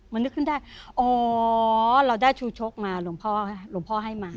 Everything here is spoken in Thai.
มันนึกขึ้นได้อ๋อเราได้ชูชกมาหลวงพ่อหลวงพ่อให้มา